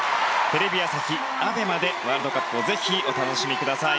テレビ朝日、ＡＢＥＭＡでワールドカップをぜひお楽しみください。